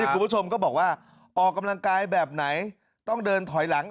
คุณผู้ชมก็บอกว่าออกกำลังกายแบบไหนต้องเดินถอยหลัง